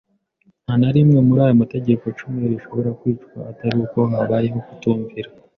Nta na rimwe muri ayo mategeko cumi rishobora kwicwa atari uko habayeho kutumvira